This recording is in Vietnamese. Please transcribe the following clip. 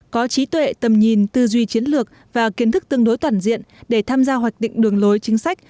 có trí tuệ tầm nhìn tư duy chiến lược và kiến thức tương đối toàn diện để tham gia hoạch định đường lối chính sách